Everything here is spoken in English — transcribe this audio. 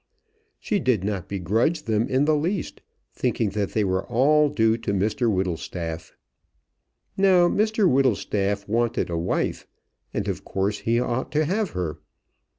She did not begrudge them in the least, thinking that they were all due to Mr Whittlestaff. Now Mr Whittlestaff wanted a wife, and, of course, he ought to have her.